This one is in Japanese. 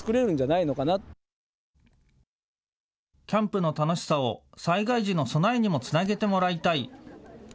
キャンプの楽しさを災害時の備えにもつなげてもらいたい。